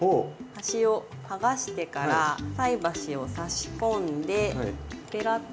端を剥がしてから菜箸を差し込んでペラッ。